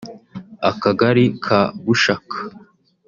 akagari ka Bushaka